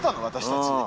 私たち。